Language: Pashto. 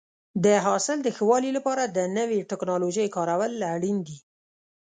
د حاصل د ښه والي لپاره د نوې ټکنالوژۍ کارول اړین دي.